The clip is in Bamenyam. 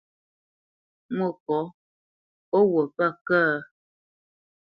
Mwôkɔ̌, ó wut pə̂ kə̂?